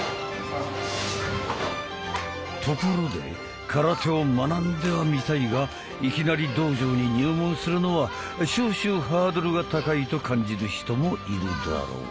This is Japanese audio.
ところで空手を学んではみたいがいきなり道場に入門するのは少々ハードルが高いと感じる人もいるだろう。